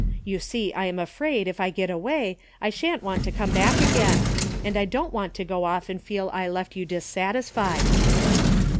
You see I am afraid, if I get away, I shan't want to come back again, and I don't want to go off and feel I left you dissatisfied."